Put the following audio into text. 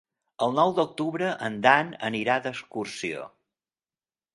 El nou d'octubre en Dan anirà d'excursió.